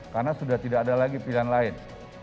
karena sudah tidak ada lagi pilihan lain